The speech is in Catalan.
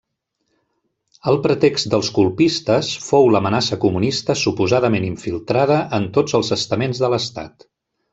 El pretext dels colpistes fou l'amenaça comunista suposadament infiltrada en tots els estaments de l'estat.